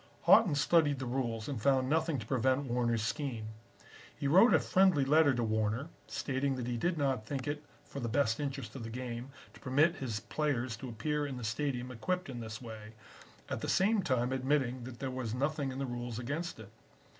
"Haughton studied the rules and found nothing to prevent Warner's scheme. He wrote a friendly letter to Warner, stating that he did not think it for the best interest of the game to permit his players to appear in the Stadium equipped in this way, at the same time admitting that there was nothing in the rules against it.